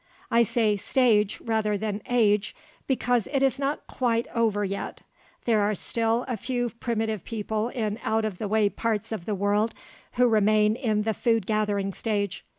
I say "stage" rather than "age," because it is not quite over yet; there are still a few primitive people in out of the way parts of the world who remain in the food gathering stage.